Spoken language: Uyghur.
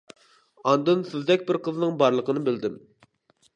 ئاندىن سىزدەك بىر قىزنىڭ بارلىقىنى بىلدىم.